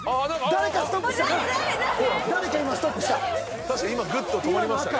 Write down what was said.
［誰か今ストップした］